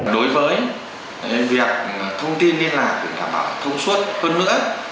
đối với việc thông tin liên lạc đảm bảo thông suất hơn nữa